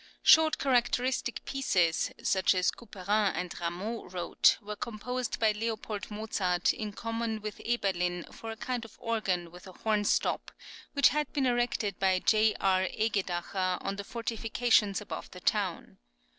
Short characteristic pieces, such as Couperin and Rameau wrote, were composed by L. Mozart, in common with Eberlin, for a kind of organ with a horn stop, which had been erected by Joh. Roch. Egedacher on the fortifications above the town.